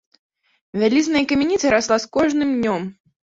Вялізная камяніца расла з кожным днём.